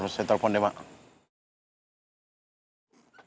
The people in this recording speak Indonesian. saya telpon deh mak